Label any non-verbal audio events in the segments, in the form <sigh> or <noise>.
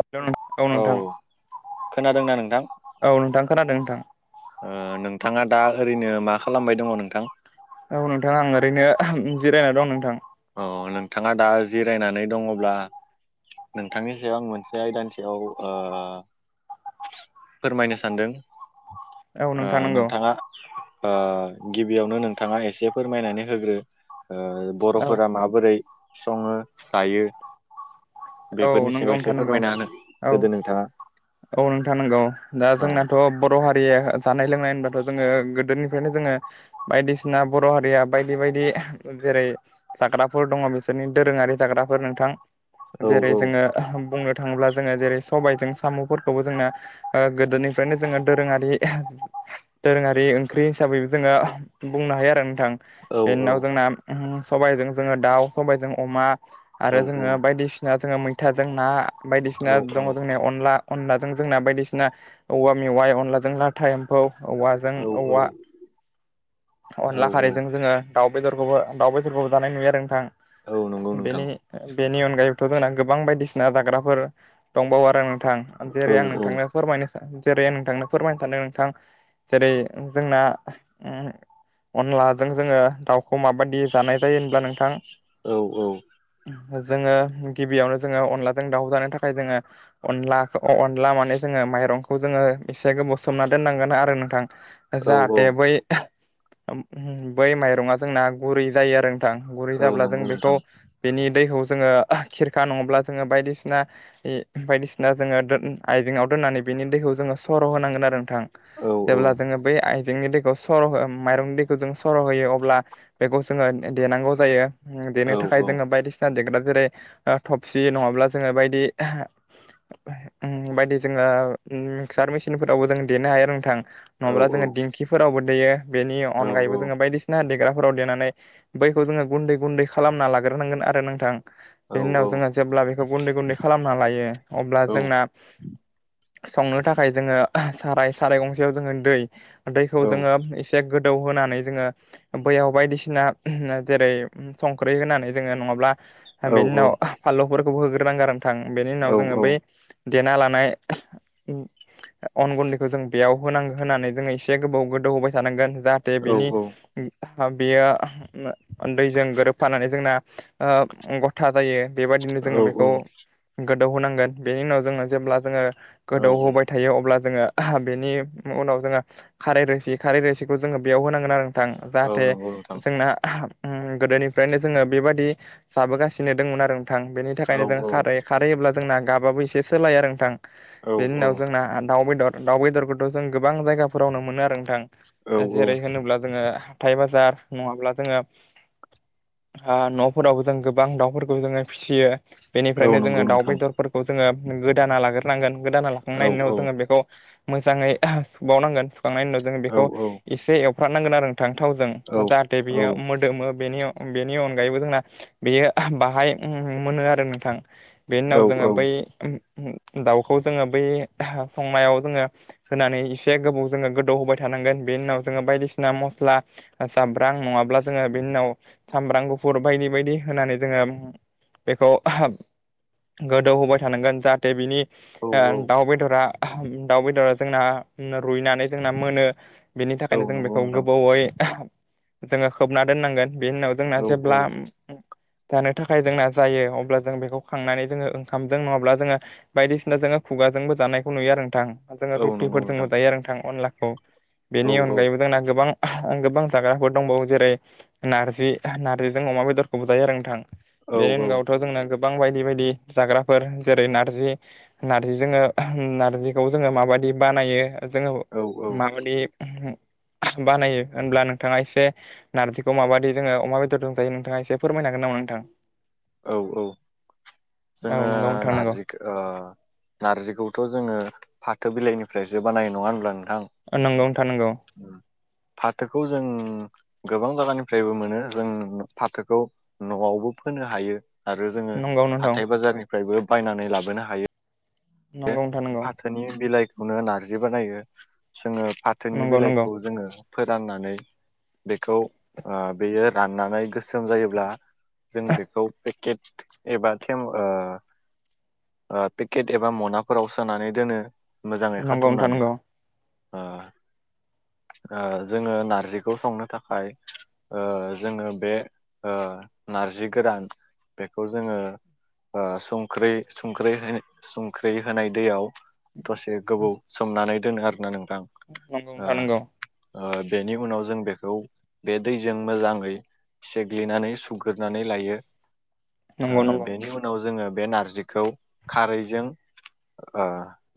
Hello औ नोंथां खोनादोंना नोंथां औ नोंथां खोनादों नोंथां। ओ नोंथाङा दा ओरैनो मा खालामबाय दङ नोंथां। औ नोंथां आं ओरैनो जिरायना दं नोंथां। औ नोंथाङा दा जिरायनानै दङब्ला? नोंथांनि सायाव आं मोनसे आयदानिसायाव ओ फोरमायनो सानदों औ नोंथां नंगौ नोंथाङा गिबियावनो नोंथाङा एसे फोरमायनानै होग्रो ओ औ बरफोरा माबोरै? सङो जायो औ बेफोरनि नंगौ सायाव नोंथां एसे नंगौ फोरमायना होनो औ होदो नोंथाङा औ नोंथां नंगौ दा औ जोंनाथ बर हारिया जानाय लोंनाय होनबा जोङो गोदोनिफ्रायनो जोङो बायदिसिना बर हारिया बायदि बायदि जेरै जाग्राफोर दङ बिसोरनि दोरोङारि जाग्राफोर नोंथां औ जेरै औ जोङो बुंनो थाङोब्ला जोङो जेरै सबायजों सामफोरखौबो जोंना गोदोनिफ्रायनो जोङो दोरोङारि दोरोङारि ओंख्रि हिसाबैबो जोङो बुंनो हायो आरो नोंथां। औ बेनि औ उनाव जोंना सबायजों जोङो दाउ सबायजों अमा औ आरो जोङो बायदिसिना जोङो मैथाजों ना बायदिसिना औ दङ जोंनिया अनला अनलाजों जोंना बायदिसिना औवा मेवाइ अनलाजों लाथा औ औवाजों औ औवा अनला औ औ खारैजों जोङो दाउ बेदरखौबो दाउ बेदरखौबो जानाय नुयो आरो नोंथां। औ नंगौ बेनि नोंथां। बेनि अनगायैबोथ जोंना गोबां बायदिसिना जाग्राफोर दंबावो आरो। नोंथां जेरै औ आं औ नोंथांनो फोरमायनो सान जेरै नोंथांनो फोरमायनो सानदों नोंथां जेरै जोंना अनलाजों जोङो दाउ खौ माबायदि जानाय जायो होनब्ला नोंथां औ औ जोङो गिबियावनो जोङो अनलाजों दाउ जानो थाखाय जोङो अनला अनला माने जोङो माइरंखौ जोङो एसे गोबाव सोमना दोननांगोन आरो नोंथां औ औ जाहाथे बै बै माइरङा जोंना गुरै जायो आरो गुरै औ जाब्ला जों नंगौ बेखौ नोंथां बेनि दैखौ जोङो खिरखा नङाब्ला जोङो बायदिसिना बायदिसिना जोङो आइजेंआव नानै बिनि दैखौ ज स होनांगोन आरो नोंथां औ जे औ जों बै आइजेंनि दैखौ माइरं दैखौ जों सर होयो अब्ला बेखौ जोङो देनांगौ जायो औ देनो थाखाय औ जोङो बायदिसिना देग्रा जेरै थबसि नङाब्ला जोङो बायदि बायदि जोङो मिक्सार मिसिनफोरावबो जों देनो हायो आरो नोंथां औ नङाब्ला जोङो दिंखिफोरावबो दैयो बेनि औ औ अनगायैबो जोङो बायदिसिना देग्राफोराव देनानै बैखौ जोङो गुन्दै गुन्दै खालामना लाग्रोनांगोन आरो नोंथां बेनि औ उनाव जोङो जेब्ला बेखौ गुन्दै गुन्दै खालामना लायो अब्ला औ जोंना संनो थाखाय जोङो साराय साराय गंसेयाव जोङो दै औ दैखौ जोङो एसे गोदौ होनानै जोङो बैयाव बायदिसिना जेरै संख्रि होनानै जोङो नङाब्ला बेनि उनाव फानलुफोरखौबो होग्रोनांगोन नोंथां बेनि औ उनाव औ जोङो बै देना लानाय अन गुन्दैखौ जों बेयाव होनांगौ होननानै जोङो एसे गोबाव गोदौ होबाय जानांगोन जाहाथे बिनि औ बियो दैजों गोरोबफानानै जोंना गथा जायो। बेबायदिनो जोङो बेखौ गोदौ होनांगोन बेनि उनाव जोङो जेब्ला जोङो गोदौहोबाय थायो अब्ला जोङो बेनि उनाव जोङो खारै रोसि खारै रोसिखौ जोङो बेयाव होनांगोन आरो नोंथां औ जाहाथे नंगौ नोंथां जोंना गोदोनिफ्रायनो जोङो बेबादि जाबोगासिनो दंमोन आरो नोंथां बेनि औ थाखायनो औ जों खारै औ खारहैायोब्ला जोंना गाबाबो एसे सोलायो आरो नोंथां। औ बेनि उनाव जोंना दाउ बेदर दाउ बेदरखौथ जों गोबां जायगाफोरावनो मोनो आरो नोंथां औ जेरै नंगौ होनोब्ला जोङो हाथाय बाजार नङाब्ला जोङो हा नफोरावबो जों गोबां दाउफोरखौ जोङो फिसियो बेनिफ्रायनो जोङो दाउ नोंथां बेदरफोरखौ जोङो गोदाना लाग्रोनांगोन गोदाना औ लाखांनायनि उनाव औ जोङो बेखौ मोजाङै सुावनांगोन सुखांनायनि उनाव जोङो औ औ एसे एवफ्रनांगोन आरो नों थां थावजों जाहाथे बियो मोदोम बेनि बेनि अनगायैबो जोंना बेयो बाहाय मोनो आरो नोंथां बे उनाव जोङो बै दाउखौ जोङो बै संनायाव जोङो होनानै एसे गोबाव जोङो गोदौ होबाय थ थानांगोन बेनि उनाव जोङो बायदिसिना मस्ला जाब्रां नङाब्ला जोङो बेनि उनाव सामब्राम गुफुर बायदि बायदि होनानै जोङो बेखौ गोदौहोबाय थानांगोन जाहाथे बिनि औ दाउ बेदरा दाउ बेदरा जोंना रुइनानै जोंना मोनो। बेनि औ थाखायनो जों नंगौ बेखौ नोंथां गोबौयै जोङो खोबना दोननांगोन। बेनि उनाव जोंना औ औ जेब्ला जानो थाखाय जोंना जायो अब्ला जों बेखौ खांनानै जोङो ओंखामजों नङाब्ला जोङो बायदिसिना जों ङो खुगाजोंबो जानायखौ नुयो आरो नोंथां जोङो औ नंगौ रुटिफोरजोंबो नोंथां जायो आरो नोंथां अनलाखौ औ बेनि अनगायैबो जोंना गोबां आं गोबां जाग्राफोर दंबावो जेरै नारजि नारजिजों अमा बेदरखौ बुजायो आरो औ नोंथां <inaudible> गोबां बायदि बायदि जाग्राफोर जेरै नारजि नारजि जोङो नारजिखौ जोङो माबाय बिदि बानायो जोङो माबादि बानायो होनब्ला नोंथाङा एसे नारजिखौ माबायदि जोङो अमा बेदरजोंं जायो नोंथाङा एसे फोरमायनो हागोन नामा नोंथां औ औ औ जोङो नंगौ नोंथां नारजि नारजिखौथ जोङो फाथो बिलाइनिफ्रायसो बानायो नङा होनब्ला नोंथां? नोंगौ नोंथां नोंगौ फाथोखौ जों गोबां जायगानिफ्रायबो मोनो जों फाथोखौ न'आवबो फोनो हायो आरो जोङो नंगौ नोंथां हाथाय बाजारनिफ्रायबो बायनानै लाबोनो हायो बे नंगौ फाथोनि बिलाइखौनो नारजि बानायो जोङो फाथोनि नंगौ बिलाइखौ नोंथां जोङो फोराननानै बेखौ बेयो राननानै गोसोम जायोब्ला जों बेखौ पेकेट एबा थे ओ पेकेट एब एबा मनाफोराव सोनानै दोनो मोजाङै नंगौ नोंथां खाथुमनानै नंगौ <inaudible> जोङो नारजिखौ संनो थाखाय जोङो बे जि गोरान बेखौ जोङो संख्रै संख्रै संख्रि होनाय दैयाव दसे गोबौ सोमनानै दोनो आरोना नों नंगौ नथां नंगौ बेनि उनाव जों बेखौ बे दैजों मोजाङै सेग्लिनानै सुग्रोननानै लायो नंगौ नोंथां नंगौ नंगौ बेनि उनाव जोङो बे नारजिखौ खारै जों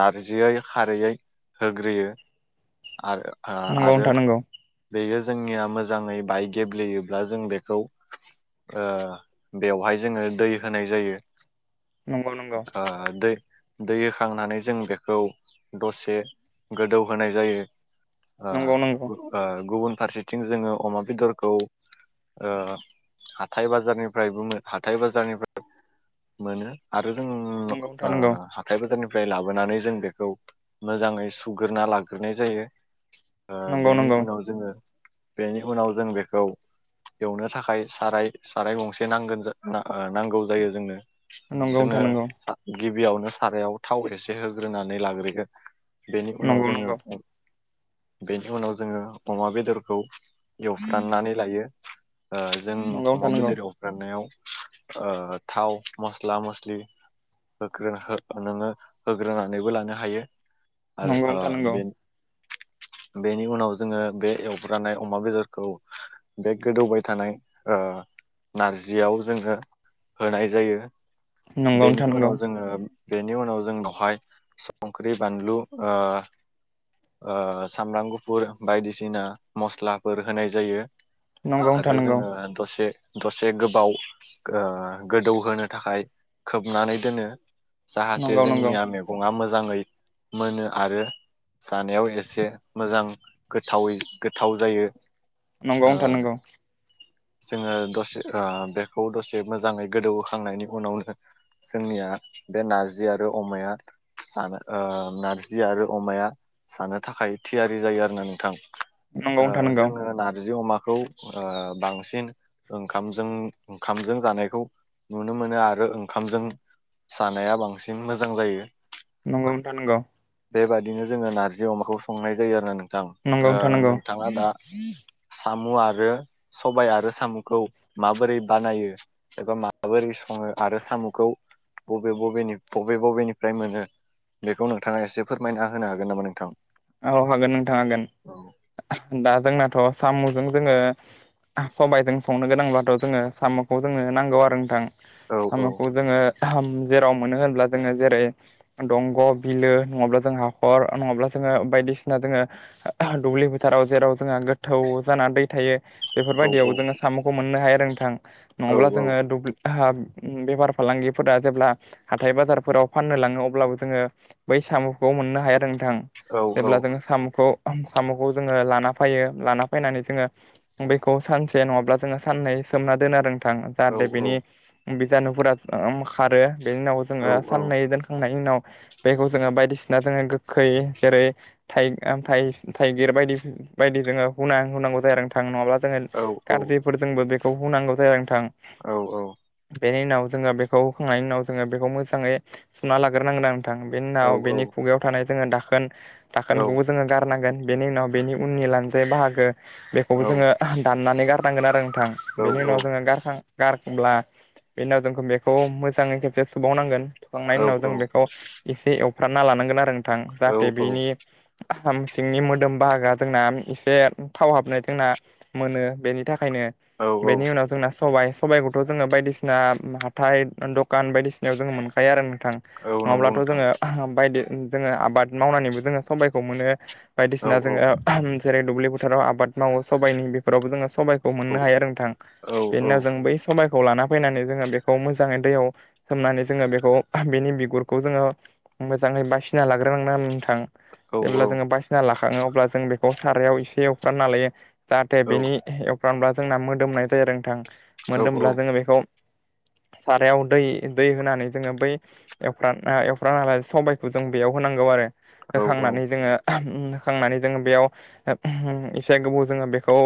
नारजियै खारैै होग्रोयो आरो नंगौ आरो नोंथां नंगौ बेयो जोंनिया मोजाङै बाइ गेब्लेयोब्ला जों बेखौ बेवहाय जोङो दै होनाय जायो नंगौ नंगौ ओ दै दै होखांनानै जों बेखौ दसे गोदौहोनाय जायो नंगौ नंगौ गुबुन फारसेथिं जोङो अमा बेदरखौ हाथाय बाजारनिफ्रायबो हाथाय बाजारनिफ्राय मोनो आरो जों नंगौ ओ थानांगौ हाथाय बाजारनि फ्राय लाबोनानै जों बेखौ मोजाङै सुग्रोना लाग्रोनाय जायो नंगौ बेनि नंगौ उनाव जोङो बेनि उनाव जों बेखौ एवनो थाखाय साराय साराय गंसे नांगोन ओ नांगौ जायो जोंनो नंगौ जोङो नोंथां नंगौ सा- गिबियावनो सारायाव थाव एसे होग्रोनानै लाग्रोगोन बेनि उनाव नंगौ जोङो नंगौ बेनि उनाव जोङो अमा बेदरखौ एवफ्रामनानै लायो जों नंगौ अमा थानांगौ बेदर एवफ्रामनायाव ओ थाव मस्ला मसलि नोङो होग्रोनानैबो लानो हायो आरो नंगौ थानांगौ बे <inaudible> बे गोदौबाय थानाय नारजियाव जोङो होनाय जायो। नंगौ बेनि नोंथां नंगौ। उनाव जोङो बेनि उनाव जों बावहाय संख्रि बानलु ओ ओ सामब्राम गुफुर बायदिसिना मस्लाफोर होनाय जायो। नंगौ आरो थानांगौ जोङो दसे दसे गोबाव ओ गोदौहोनो थाखाय खोबनानै दोनो जाहाथे नंगौ नंगौ जोंनिया मेगङा मोजां मोजाङै मोनो आरो जानायाव एसे मोजां गोथावै गोथाव जायो नंगौ ओ थानांगौ जोङो दसे ओ बेखौ दसे मोजाङै गोदौहोखांनायनि उनावनो जोंनिया बे नारजि आरो अमाया जानो ओ नारजि आरो अमाया जानो थाखाय थियारि जायो आरो ना नोंथां। ओ नंगौ थानांगौ जोङो नारजि अमा खौ बांसिन ओंखामजों ओंखामजों जानायखौ नुनो मोनो आरो ओंखामजों जानाया बांसिन मोजां जायो। नंगौ नोंथां नंगौ। बेबायदिनो जोङो नारजि अमाखौ संनाय जायो आरोना ओ नंगौ नोंथां थानांगौ नोंथाङा दा सामु आरो सबाय आरो सामुखौ माबोरै बानायो एबा माबोरै सङो आरो साम'खौ बबे बबेनि बबे बबेनिफ्राय मोनो बेखौ नोंथाङा एसे फोरमायना होनो हागोन नामा नोंथां? औ हागोन नोंथां हागोन औ दा जोंनाथ' सामु जों जोङो सबायजों संनो गोनांब्लाथ' जोङो सामुखौ जोनो नांगौ आरो नोंथां। औ औ सामुखौ जोङो जेराव मोनो होनब्ला जोङो जेरै दंग' बिलो नङाब्ला जों हाखर नङाब्ला जोङो बायदिसिना जोङो दुब्लि फोथाराव जेराव जोंहा गोथौ जाना दै थायो औ बेफोरबायदियाव जोङो सामुखौ मोननो हायो आरो रोंथां औ नङाब्ला जोङो दुब्लि हा बेफार फालांगिफोरा जेब्ला हाथाय बाजारफोराव फाननो लाङो अब्लाबो जोङो बै साम'खौ मोननो हाया नोंथां औ जेब्ला जोङो साम'खौ सामुखौ जोङो लाना फैयो लाना फैनानै जोङो बेखौ सानसे नङाब्ला जोङो साननै सोमना दोनो आरो नोंथां औ जाहाथे बेनि बिजानुफोरा खारो बेनि उनाव औ जोङो साननै दोनखांनायनि उनाव बेखौ जोङो बायदिसिना जोङो गोखै जेरै थाइ ओ थाइ थाइगिर बायदि बायदि जोङो हुना हुनांगौ जायो नोंथां नङाब्ला जोङो औ गाज्रिफोर जोंबो बेखौ हुनांगौ जादों औ औ बेनि उनाव जोङो बेखौ हुखांनायनि उनाव जोङो बेखौ मोजाङै सुना लाग्रोनांगोन ना नों थां बेनि औ उनाव बेनि खुगायाव थानाय जोङो दाखोन दाखोनखौबो जोङो गारनांगोन बेनि उनाव बेनि उननि लानजाय बाहागो बेखौबो जोङो दाननानै गारनांगोन आरो नों थां बेनि उनाव जोङो गारखां गारब्ला बे उनाव जोंखौ बेखौ मोजाङै खेबसे सुबोबावनांगोन सुखांनायनि उनाव जों बेखौ एसे एवफ्रामना लानांगोन आरो नोंथां औ जाहाथे बेनि हासाम सिंनि मोदोम बाहागा जोंना एसे थाव हाबनाय जोंना मोनो बेनि था खायनो औ बेनि उनाव जोंना सबाय सबायखौथ' जोङो बायदिसिना हाथाय दखान बायदिसिनायाव जोङो मोनखायो आरो नों थां औ नंगौ नङाब्लाथ' नोंथां जोङो बायदि जोङो आबाद मावनानैबो जोङो सबायखौ मोनो। औ बायदिसिना औ जोङो जेरै दुब्लि बोथाराव आबाद मावो सबायाइनि बेफोरावबो जोङो सबायखौ औ मोननो हायो नोंथां औ औ बेनि जों बै सबाय खौ लाना फैनानै जोङो बेखौ मोजाङै दैयाव सोमनानै जोङो बेखौ बेनि बिगुरखौ जोङो मोजाङै बासिना लाग्रोनां ना थां औ जेब्ला जोङो बायसिना लाखाङो अब्ला जों बेखौ सारायाव एसे एवफ्राम लायो जाहाथे औ बेनि एवफ्र्रानब्ला जोंना मोदोमनाय जाया नोंथां मोदोमब्ला जोङो बेखौ <inaudible> सारायाव दै दै होनानै जोङो बै एवान एवफ्रानालाय सबायाइखौ जों बेयाव होनांगौ आरो औ होखांनानै जोङो होखांनानै जोङो बेयाव एसे गोबाव जोङो बेखौ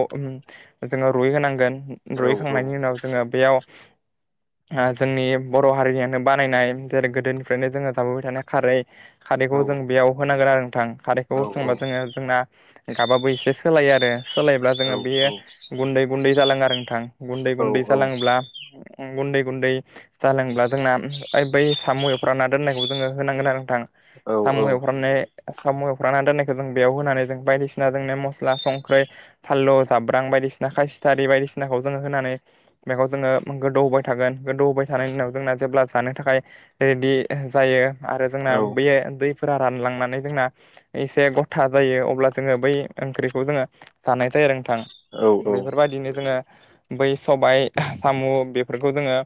जोङो रुइ होनांगोन औ औ रुयैखांनायनि उनाव जोङो बेयाव <inaudible> जोंनि बर' हारिनियानो बानायनाय जेरै गोदोनिफ्रायनो जोङो जाबोबाय थानाय खारै खारैखौ औ जों बेयाव होनांगोन आरो नोंथां खारैखौ होखांबा जोङो जोंना गाबाबो एसे सोलायो आरो सोलायोब्ला जोङो बेयो गुन्दै गुन्दै जालाङो आरो नोंथां गुन्दै गुन्दै जालाङोब्ला गुन्दै गुन्दै जालांब्ला जोंना बै सामुफ्राव ना दोननायखौ जोङो होनांगोन आरो नोंथां सामुएवफ्राननाय सामु एवफ्रानानै दोननायखौ जों बेयाव होनानै जों बायदिसिना जोंनो मस्ला संख्रै फाललु जाब्रां बाय बायदिसिना खासिथारि बायदिसिनाखौ जोङो होनानै बेगखौ जोङो गोदौ होबाय थागोन गोदौ होबाय थानायनि उनाव जोंना जेब्ला जानो थाखाय रेडि जायो आरो जोंना बे औ-औ-औ-औ-औ-औ-औ-औ-औ-औ-औ-औ दैफोरा रानलांनानै जोंना एसे गथा जायो अब्ला जोङो बै ओंख्रिखौ जोङो जानाय जायो थां बेफोरबायदिनो जोङो बै सबायाइ साम' बेफोरखौ जोङो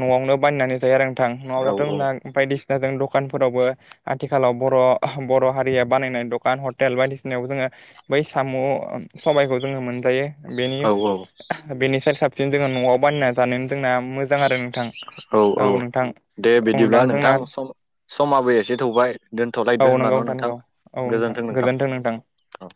न'आवनो बायनानै जायो आरो थां नङाब्लाथ' नोंना बायदिसिना दं दखान फोरावबो आथिखालाव बर' बर' हारिया बानायनाय दखान हटेल बायदिसिनायाव जोङो बै साम' सबायाइखौ जोङो मोनजायो बेनि बेनि साय साबसिन जोङो न'आव बानायना जानायानो जोंना मोजां आरो नोंथां औ औ दे औ बिदिब्ला नोंथां जोंना सम सम माबोरै एसे थौबाय औ दोनथ'लायदो होनब नंगौ न' नोंथां नंगौ औ गोजोनथों नोंथां गोजोन्थों औ